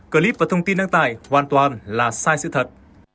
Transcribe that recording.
clip và thông tin đăng tải hoàn toàn là sai sự thật